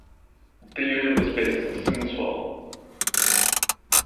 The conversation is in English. The unit was based in Sundsvall.